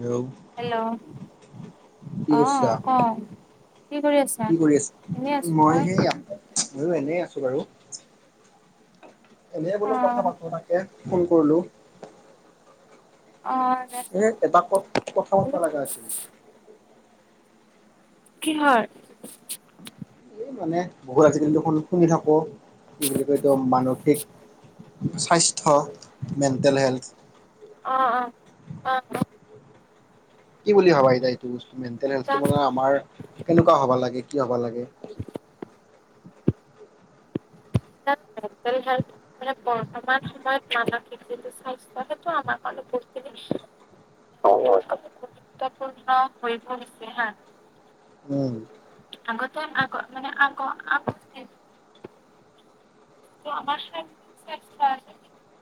Hello! Hello! কি কৰিছা? অঁ ক'। কি কৰি আছা? এনে আছো, তই? মইয়ো এনেই আছো বাৰু। এনে অ বোলো কথা পাতো তাকে ফোন কৰিলো। অ। এনে এটা ক কথা ক'ব লগা আছিল। কিহৰ? এই মানে বহুত আজিকালি দেখোন শুনি থাকো কি বুলি কয় এইটো মানসিক। স্বাস্থ্য মেণ্টেল হেল্থ। অ', অ',। অ', অ',। কি বুলি ভবা এ' এইটো বস্ত মেণ্টল হেল্থ তোমালোকে আমাৰ কেনেকুৱা হ'ব লাগে কি হ'ব লাগে? Mental health. মানে বৰ্তমান সময়ত মানে যিটো স্বাস্থ্য সেইটো আমাৰ কাৰণে বহুতখিনি। গুৰুত্বপূৰ্ণ হৈ পৰিছে হা। উম আগতে আগ- মানে আগ- আ। ত' আমাৰ শাৰ চেষ্ট আছে।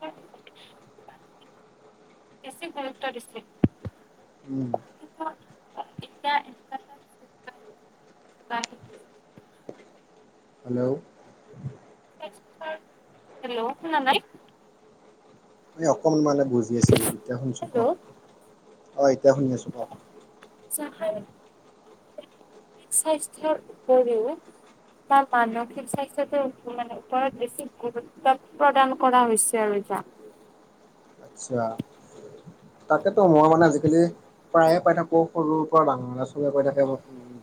বেছি গুৰুত্ব দিছিল। উম কিন্তু এতিয়া হেল্ল' হেল্ল' শুনা নাই। মনে অকন মানে বুজি আছিলো এতিয়া শুনিছো কওক হেল্ল' অ' এতিয়া শুনি আছো কওক। স্বাস্থ্যৰ উপৰিও। তাৰ মানসিক স্বাস্থ্যটো মানে ওপৰত বেছি গুৰুত্ব প্ৰদান কৰা হৈছে আৰু যাক। আচ্ছা তাকেতো মই মানে আজিকালি প্ৰায়ে পাই থাকো। সৰুৰ পৰা ডাঙৰ এ' চবে কৈ থাকে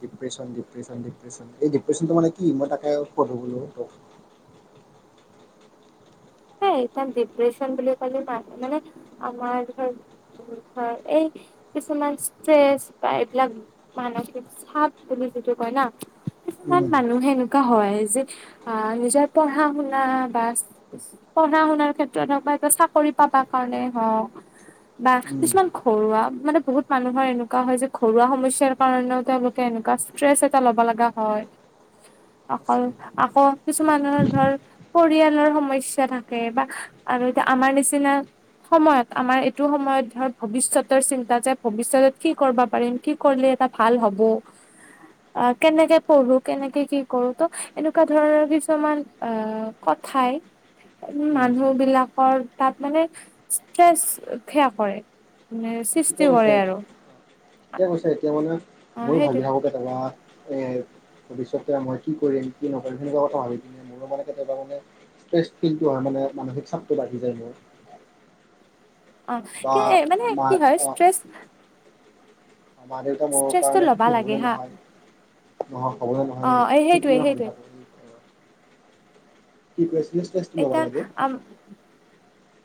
ডিপ্ৰেচন ডিপ্ৰেচন ডিপ্ৰেছন। এই ডিপ্ৰচনতটো মানে কি? মই তাকে খুধো বোলো তোক। সই এাৰ ডিপ্ৰেশচন বুলি ক'লে মানে- মানে আমাৰ। হয় এই কিছুমান ষ্টেচ পাই এবিলাক। মানসিক চাপ বুলি যিটো কয় না। কিছুমান উম মানুহ এনেকুৱা হয় যে আহ নিজৰ পঢ়া-শুনা বা। পঢ়া-শুনাৰ ক্ষেত্ৰত হওক বা এই চাকৰি পাবা কাৰণেই হওঁক। বা উম কিছুমান ঘৰুৱা মানে বহুত মানুহৰ এনেকুৱা হয় যে ঘৰুৱা সমস্যাৰ কাৰণেও তেওঁলোকে এনেকুৱা। ট্ৰেচ এটা ল'ব লগা হয়। সঁচাই আকৌ- দেই। আকৌ কিছুমানৰ ধৰ পৰিয়ালৰ সমস্যা থা। থাকে বা আৰু এতিয়া আমাৰ নিচিনা। সময়ত আমাৰ এইটো সময়ত ধৰ ভৱিষ্যতৰ চিন্তা, যে ভৱিষ্যতত কি কৰিব পাৰিম কি। কৰিলে এটা ভাল হ'ব। অ' কেনেকে পঢ়ো কেনেকে কি কৰো ত' এনেকুৱা ধৰণৰ কিছুমান অ'। কথাই। উম', মানুহ বিলাকৰ তাত মানে ষ্ট্ৰেচ সেয়া কৰে মানে। সৃষ্টি কৈছা কৰে আৰু এতিয়া কৈছা এতিয়া মানে অ ভাবি সেইটোৱে থাকো। কবাত এ। ভৱিষ্যতে মই কি কৰিম কি নকৰিম, সেনেকুৱা কথা ভাবি কিনে মোৰো মানে কেতিয়াবা মানে। ষ্ট্ৰেচ ফিল হয় মানে মানসিক চাপটো বাঢ়ি যায় মোৰ। অ' বা কি মানে মা কি হয় ষ্ট্ৰেচ। মা-দেউতা মোৰ ষ্ট্ৰেচটো কাৰণে ল'বা সুখী হ'ব লাগে হা নহয়। নহয় হ'ব অ নহয় এই সেইটোৱে কিতনা ভাবি সেইটোৱে থাকোঁ। [inaudible] এটা লাগে। আম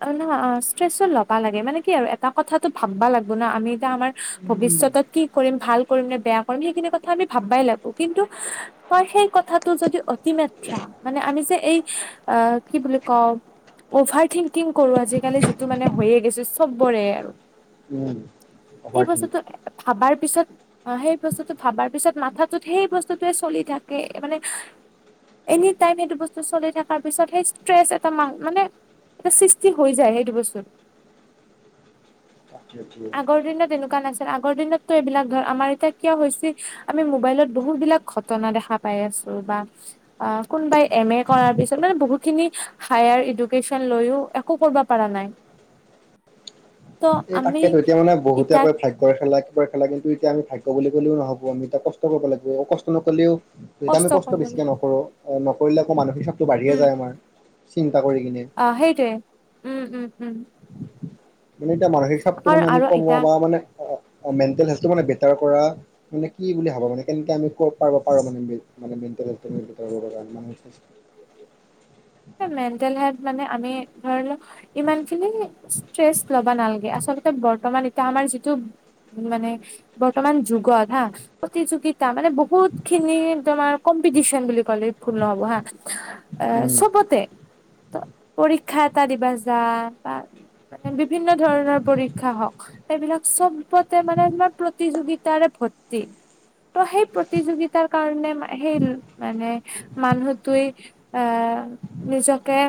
অ নহ অ ষ্ট্ৰেচো ল'বা লাগে, মানে কি আৰু এটা কথাটো ভাববা লাগিব না আমি এতিয়া আমাৰ ভৱিষ্যতত উম, কি কৰিম ভাল কৰিম নে বেয়া কৰিম, সেইখিনি কথা আমি ভাবাই লাগব, কিন্তু তই সেই কথাটো যদি অতি মাত্ৰা মানে আমি যে এই আহ কি বুলি কওঁ অভাৰ থিংকিং কৰো আজিকালি যিটো মানে হৈয়ে গৈছে চবৰে অভাৰ সেই থিংক বস্তুটো ভাবাৰ পিছত অ সেই বস্তুটো ভাবাৰ পিছত মাথাটোত সেই বস্তুটোৱে চলিয়ে থাকে, মানে এনি টাইম সেইটো বস্তু চলি থকাৰ পিছত সেই ষ্ট্ৰেছ এটা মা মানে এটা সৃষ্টি হৈ যায় সেইটো বস্তত। তাকেটো। আগৰ দিনত এনেকুৱা নাছি আগৰ দিনতো এইবিলাক ধৰ আমাৰ এতিয়া কিয় হৈছে, আমি মোবাইলত বহুত বিলাক ঘটনা দেখা পায় আছোঁ বা কোনবাই এম এ কৰাৰ পিছত মানে বহুতখিনি হাইয়াৰ এডুকেশ্বন লৈও একো কৰিব পৰা নাই। ত' এই আমি তাকেটো এতিয়া মানে বহুতিয়া ইতাক কৈ ভাই গৰ খেলা কিবা খেলা এতিয়া আমি ভাগ্য বুলি ক'লেও নহ'ব আমি এয়া কষ্ট কৰিব লাগিব অ কষ্ট নকৰিলেও যেতিয়া আমি কষ্ট কৰিব বেছিকৈ লাগিব নকৰোঁ, নকৰিলে আকৌ মানসিক চাপটো বাঢ়িয়ে যায় আমাৰ চিন্তা কৰি কিনে। অ সেইটোৱে। উম উম উম। মানে এতিয়া মানসিক চাপটো আৰু মানে আমি আৰু কমোৱা এতিয়া বা মানে মেণ্টেল হেলটো মানে বেটাৰ কৰা মানে কি বুলি ভাব মানে কেনকে আমি [unintelligible] [unintelligible] মেণ্টেল হেল্থ মানে আমি ধৰি লওঁ ইমানখিনি ষ্ট্ৰেচ লবা নালাগে, আচলতে বৰ্তমান এতিয়া আমাৰ যিটো মানে বৰ্তমান যুগত হা প্ৰতিযোগিতা মানে বহুত খিনি তোমাৰ কম্পিটিচন বুলি ক'লে ভুল নহ'ব হা আহ উম, চবতে পৰীক্ষা এটা দিব যা বা বিভিন্ন ধৰণৰ পৰীক্ষা হওঁক এইবিলাক চবতে মানে ইমান প্ৰতিযোগিতাৰে ভৰ্তি। ত' সেই প্ৰতিযোগিতাৰ কাৰণে সেই মানে মানুহটোৱে এ নিজকে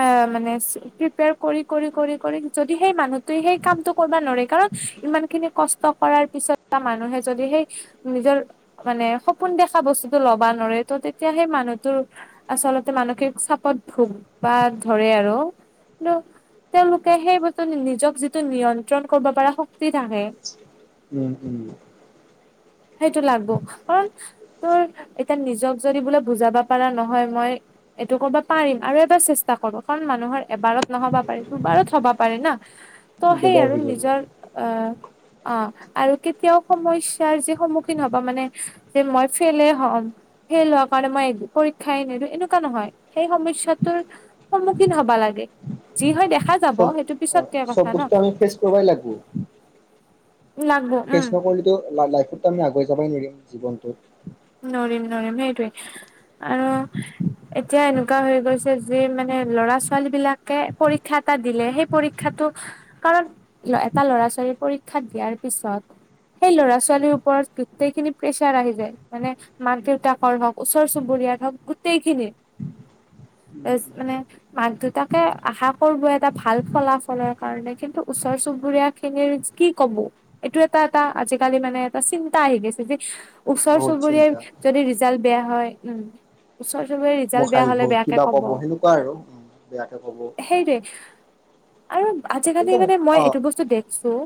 আ মানে প্ৰিপেয়াৰ কৰি-কৰি-কৰি-কৰি যদি সেই মানুহটো সেই কামতটো কৰিব নোৱাৰে কাৰণ ইমান খিনি কষ্ট কৰাৰ পিছত এটা মানুহে যদি সেই নিজৰ মানে সপোন দেখা বস্তুটো ল'বা নোৱাৰে ত' তেতিয়া সেই মানুহটোৰ আচলতে মানসিক চাপত ভোগ বা ধৰে আৰু কিন্তু তেওঁলোকে সেই বস্তু নিজক যিটো নিয়ন্ত্ৰণ কৰিব পাৰা শক্তি থাকে উম উম। সেইটো লাগিব, কাৰণ তোৰ এতিয়া নিজক যদি বোলে বুজাব পাৰা নহয় মই এইটো কৰিব পাৰিম আৰু চেষ্টা কৰব, কাৰণ মানুহৰ এবাৰত নহ'ব পাৰে দুবাৰত হ'ব পাৰে না। ত' সেই দুবাৰ আৰু হৈ যাব। নিজৰ আহ অ আৰু কেতিয়াও সমস্যাৰ যে সন্মুখীন হ'ব মানে যে মই ফেইলে হম ফেইল হোৱা কাৰণে মই এক পৰীক্ষায় নিদেও এনেকুৱা নহয় সেই সমস্যাত সন্মুখীন হ'বা লাগে, যি হয় দেখা যাব চব সেইটো পিছতকে চব কথা বস্তু ন আমি ফেচ কৰিবই লাগিব। লাগব ফেচ উম নকৰিলেটো লাভ নাই, তেতিয়া আমি আগুৱাই যাবই নোৱাৰিম জীৱনত। নোৱাৰিম, নোৱাৰিম, সেইটোৱে আৰু এতিয়া এনেকুৱা হৈ গৈছে যে মানে, ল'ৰা-ছোৱালী বিলাকে পৰীক্ষা এটা দিলে সেই পৰীক্ষ শিক্ষাতো কাৰণ, এটা ল'ৰা-ছোৱালী পৰীক্ষা দিয়াৰ পিছত সেই ল'ৰা-ছোৱালীৰ ওপৰত, গোটেই খিনি প্ৰেচাৰ আহি যায়। মানে মাক-দেউতাকৰ হওক, ওচৰ-চুবুৰীয়াৰ হওক গোটেইখিনিৰ। তাৰপিচত মানে। মাক-দেউতাকে আশা কৰিব এটা ভাল ফলাফলৰ কাৰণে, কিন্তু ওচৰ-চুবুৰীয়া খিনিৰ কি ক'ব এইটো এটা এটা, আজিকালি মানে এটা চিন্তা আহি গৈছে, যে ওচৰ বহুত চুবুৰীয়াৰ চিন্তা যদি ৰিজাল্ট বেয়া হয়, উম। ওচৰ চুবুৰীয়াৰ ৰিজাল্ট মোক বেয়া হাঁহিব, হলে বেয়াকে কিবা ক'ব সেনেকুৱা আৰু। বেয়াকে ক'ব। সেইটোৱে আৰু কিন্তু আজিকালি মানে, মই অ এইটো বস্তু দেখিছোঁ।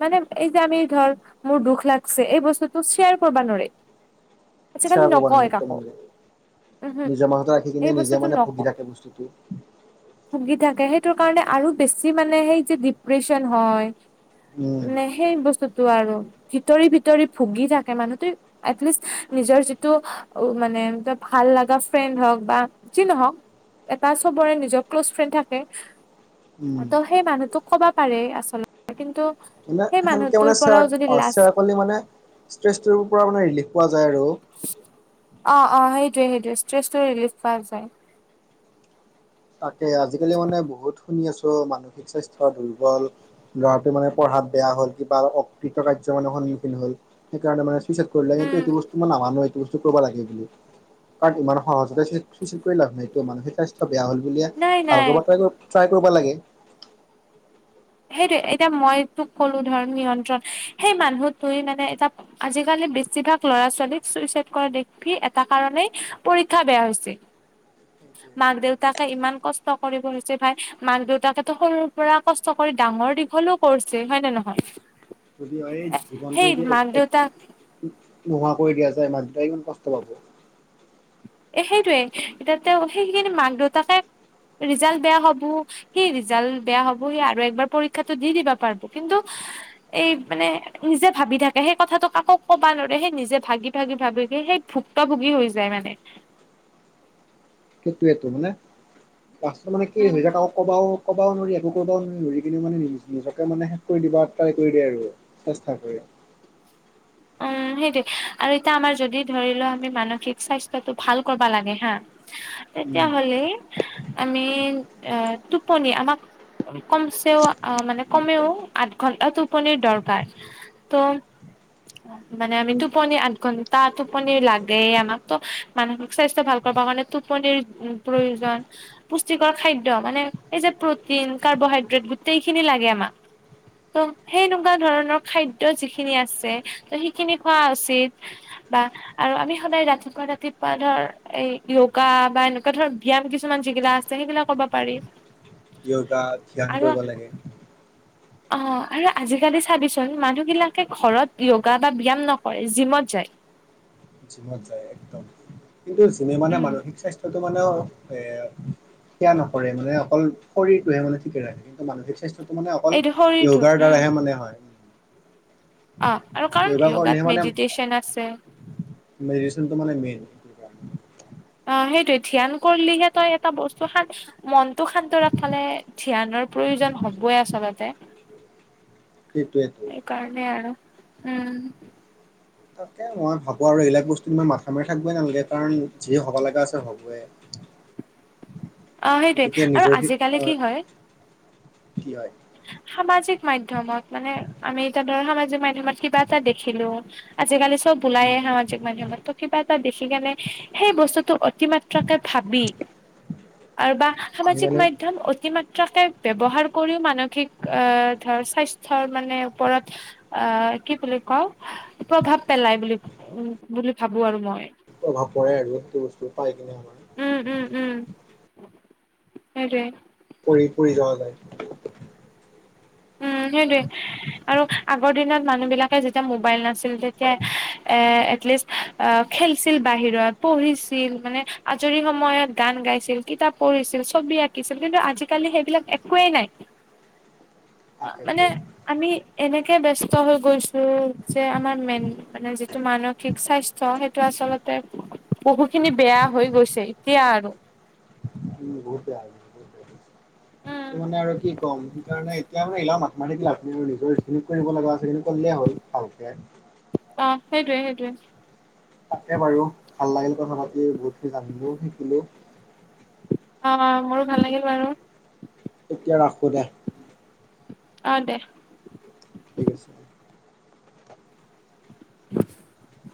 মানে এই যে, আমি ধৰ, মোৰ দুখ লাগছে এই বস্তু টো শ্বেয়াৰ কৰবা নোৱাৰে, আজিকালি শ্বেয়াৰ কৰিব নোৱাৰি নকয় একদম কাকো। উমহু নিজৰ মাজতে ৰাখি এই কিনে, নিজে বস্তুটো মানে ভুগি নকয় থাকে বস্তুটো। ভুগি থাকে, সেইটো কাৰণে আৰু বেছি মানে, সেই যে ডিপ্ৰচন হয়। উম মানে সেই বস্তুতো আৰু, ভিতৰি, ভিতৰি ভুগি থাকে মানুহটোই এটলিষ্ট, নিজৰ যিটো, মানে ত', ভাল লগা ফ্ৰেণ্ড হওঁক বা যি নহওঁক, এটা চবৰে নিজৰ ক্ল'জ ফ্ৰেণ্ড থাকে। উম ত' সেই মানুহটোক ক'বা পাৰে আচলতে, কিন্তু এনে সেই সেনেকে মানুহটোৰ মানে, পৰাও শ্বেয়াৰ যদি অ', লাজ শ্বেয়াৰ কৰলি মানে, ষ্ট্ৰেছটোৰ পৰা মানে ৰিলিফ পোৱা যায় আৰু। অ', অ', সেইটোৱে, সেইটোৱে ষ্ট্ৰেছটো ৰিলিফ পোৱা যায়। তাকে আজিকালি মানে বহুত শুনি আছোঁ, মানসিক স্বাস্থ্য দুৰ্বল। ল'ৰাটো মানে পঢ়াত বেয়া হ'ল, কিবা হ'ল। অকৃতকাৰ্য মানে সন্মুখীন হ'ল। সেইকাৰণে মানে চুইচাইড কৰিলে, সেইটো, উম এইটো বস্তু মই নামানোৱেই। হুলস্থুল কৰবা লাগে বুলি, কাৰণ, ইমান সহজতে চে চুইচাইড কৰি লাভ নাইটো, মানসিক স্বাস্থ্য বেয়া হ'ল বুলিয়ে, নাই নাই ভালটো কৰিব ট্ৰাই কৰিব লাগে। সেইটো, এতিয়া মই তোক ক'লো ধৰ, নিয়ন্ত্ৰণ সেই মানুহটোই মানে এটা আজিকালি বেছিভাগ ল'ৰা-ছোৱালীক চুইচাইদ কৰা দেখি, এটা কাৰনেই, পৰীক্ষা বেয়া হৈছে। [inaudible] মাক-দেউতাকে ইমান কষ্ট কৰি পঢ়াইছে ভাই, মাক-দেউতাকেটো সৰুৰ পৰা কষ্ট কষ্ট কৰি ডাঙৰ-দীঘলও কৰিছে হয়নে, নহয়? যদি হয় জীৱনটো সেই যদি এক, মাক দেউতাক একো নোহোৱা কৰি দিয়া যায়, মা-দেউতাই কিমান কষ্ট পাব? এ, সেইটোৱেই এতিয়া, তেওঁ সেইখিনি মাক-দেউতাকে ৰিজাল্ট বেয়া হ'ব সেই ৰিজাল্ট বেয়া হ'ব, সি আৰু একবাৰ পৰীক্ষাটো দি পাৰব কিন্তু এই মানে নিজে ভাবি থাকে, সেই কথাটো কাকো ক'বা নৰে। সেই নিজে, ভাগি-ভাগি, ভাবি ভাগি সেই ভুক্তভুগী হৈ যায় মানে। সেইটোৱেতো, মানে লাষ্টত মানে কি উম হৈ যায়, কাকো ক'বাও ক'বাও নৰি, একো কৰিবাও নৰি, নৰি কিনে মানে, নিজ নিজকে মানে শেষ কৰি দিবা ট্ৰাই কৰি দিয়ে আৰু। চেষ্টা কৰে। অ', সেইটোৱে, আৰু এতিয়া আমাৰ যদি ধৰি লওঁ, আমি মানসিক স্বাস্থ্যটো ভাল কৰবা লাগে হা। [inaudible] তেতিয়া হ'লে আমি আ, টোপনি আমাক কমচেও, আ, মানে কমেও আঠ ঘণ্টা টোপনিৰ দৰকাৰ। ত' মানে, আমি টোপনি আঠঘন টা টোপনি লাগেই আমাক, তো মানসিক স্বাস্থ্য ভাল কৰবা কাৰণে টোপনিৰ প্ৰয়োজন। পুষ্টিকৰ খাদ্য, মানে এই যে প্ৰটিন, কাৰ্বহাইড্ৰেট গোটেইখিনি লাগে আমাক। তো, সেইনেকুৱা ধৰণৰ খাদ্য যিখিনি আছে, তো সেইখিনি খোৱা উচিত। বা আৰু আমি সদায় ৰাতিপুৱা, ৰাতিপুৱা ধৰ এই যোগা বা এনেকুৱা ধৰ ব্যায়াম কিছুমান, যিগিলা আছে। সেইগিলা কৰবা পাৰি। য়গা ধ্যান কৰিব লাগে। অ'আৰু আজি-কালি চাবিচোন, মানুহ গিলাকে ঘৰত যোগা এটা ব্যায়াম নকৰে, জিমত যায়। জিমত যায় একদম কিন্তু, জিমে মানে উম মানসিক স্বাস্থ্যটো মানে অ এ, কেয়াৰ নকৰে, মানে অকল শৰীৰটোহে মানে ঠিকে ৰাখে। কিন্তু, মানসিক স্বাস্থ্য সেইটো মানে অকল এইটো শৰীৰটো যোগাৰ উম দ্বাৰাহে মানে হয়। অ'আৰু কাৰণ যোগাত মেডিটেশ্যন আছে। মেডিচনটো মানে মেইন। অ'হেইটো ধ্যান কৰিলি তই এটা বস্তু খান। মনটো শান্ত ৰাখৱ ফালে ধ্যানৰ প্ৰয়োজন হবই আচলতে। সেইটোৱেতো। কাৰণে আৰু উম। এই মই ভাবো আৰু এইবিলাক বস্তু মই মাথা মাৰি থাকিবে নালাগে। কাৰণ যিয়ে হব লগা আছে হ'বই। অ সেইটোৱে গতিকে আৰু নিজৰ সি আজিকালি হয়, কি কি হয়। সামাজিক মাধ্যমত মানে, আমি এতিয়া ধৰ সামাজিক মাধ্যমত কিবা এটা দেখিলো। আজিকালি চব ওলায় আহে সামাজিক মাধ্যমত, কিবা এটা দেখি কেনে সেই বস্তুতটো অতিমাত্ৰ। তোকে ভাবি আৰু বা। আমি সামাজিক মানে মাধ্যম অতিমাত্ৰাকে ব্যৱহাৰ কৰিও মানৱ। ঠিক অ ধৰ স্বাস্থ্যৰ মানে ওপৰত। আ কি বুলি কওঁ, প্ৰভাৱ পেলাই বুলি উ বুলি ভাবো আৰু মই। প্ৰভাৱ পৰে আৰু যিটো বস্তু পাই কিনো আমাৰ। উম, উম, উম, সেইটোৱে। পৰি পৰি লৈ যায়। উম, সেইটোৱে। আৰু আগৰ দিনত মানুহ বিলাকে যেতিয়া মোবাইল নাছিল, তেতিয়া এ এটলিষ্ট। অ 'খেলছিল বাহিৰত পঢ়িছিল মানে আজৰি সময়ত গান গাইছিল। কিতাপ পঢ়িছিল, ছবি আঁকিছিল, কিন্তু আজিকালি সেইবিলাক একোৱেই নাই। অ' মানে তাকেতো আমি এনেকে ব্যস্ত হৈ গৈছো, যে আমাৰ মেইন। মানে যিটো মানসিক স্বাস্থ্য সেইটো আচলতে। বহু খিনি বেয়া হৈ গৈছে, এতিয়া আৰু। উম, বহুত বেয়া। উম শুন আৰু কি কম, যি কাৰণে এতিয়া আৰু ইয়াৰ মাথা মাৰি লাভ কৰিব লগা হৈছে। যি কৰিব লগা আছে সেই কৰিলেই হ'ল। ভালকে। অ' সেইটোৱে, সেইটোৱে। তাকে বাৰু ভাল লাগিল কথা পাতি, বহুতখিনি জানিলোও শিকিলোঁ। অ'অ, মোৰো ভাল লাগিল বাৰু। এতিয়া ৰাখো দে। অ'দে। ঠিক আছে দে। [inaudible]